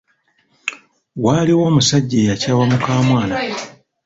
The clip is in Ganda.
Waaliwo omusajja eyakyawa mukamwana.